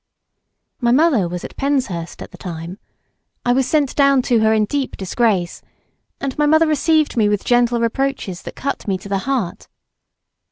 My mother was at Penshurst at the time; I was sent down to her in deep disgrace, and my mother received me with gentle reproaches that cut me to the heart.